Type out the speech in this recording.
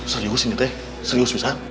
serius ini teh serius susah